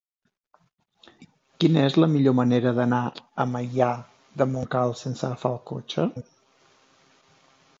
Quina és la millor manera d'anar a Maià de Montcal sense agafar el cotxe?